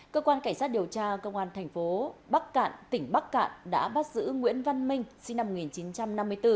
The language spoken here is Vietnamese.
cơ quan cảnh sát điều tra công an thành phố bắc cạn tỉnh bắc cạn đã bắt giữ nguyễn văn minh sinh năm một nghìn chín trăm năm mươi bốn